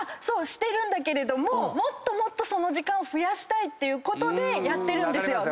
してるんだけれどももっともっとその時間を増やしたいっていうことでやってるんですよ。